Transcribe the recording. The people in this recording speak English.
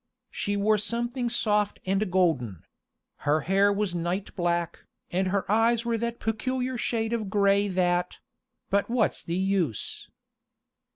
She wore something soft and golden; her hair was night black, and her eyes were that peculiar shade of gray that but what's the use?